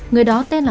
người đó tên là